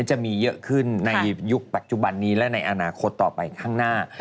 จะมีเยอะขึ้นในยุคปัจจุบันนี้และในอนาคตต่อไปข้างหน้า